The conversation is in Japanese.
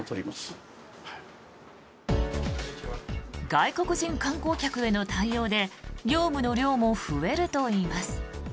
外国人観光客への対応で業務の量も増えるといいます。